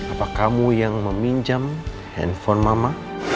apa kamu yang meminjam handphone mama